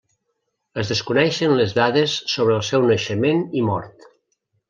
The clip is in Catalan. Es desconeixen les dades sobre el seu naixement i mort.